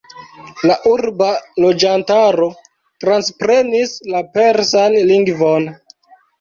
La urba loĝantaro transprenis la persan lingvon.